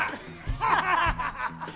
ハハハハ。